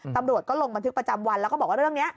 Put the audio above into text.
ตำรวจก็ลงบันทึกประจำวันแล้วก็บอกว่าเรื่องนี้